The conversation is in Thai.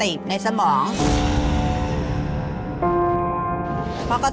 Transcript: อืมอืมอืม